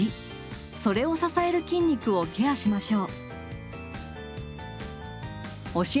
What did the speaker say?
それを支える筋肉をケアしましょう。